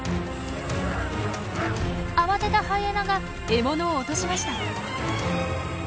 慌てたハイエナが獲物を落としました。